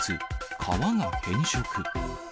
川が変色。